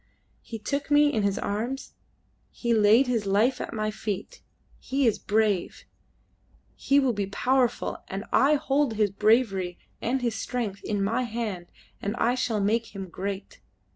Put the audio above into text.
He took me in his arms, he laid his life at my feet. He is brave; he will be powerful, and I hold his bravery and his strength in my hand, and I shall make him great.